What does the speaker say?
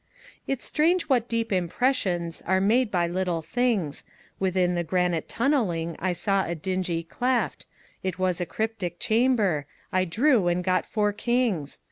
It's strange what deep impressions Are made by little things. Within the granite tunneling I saw a dingy cleft; It was a cryptic chamber. I drew, and got four kings.